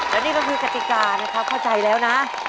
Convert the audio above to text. และนี่ก็คือกติกานะครับเข้าใจแล้วนะ